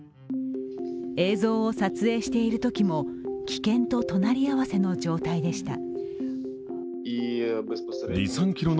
映像を撮影しているときも危険と隣り合わせの状態でした。